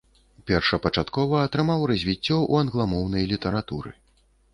Першапачаткова атрымаў развіццё ў англамоўнай літаратуры.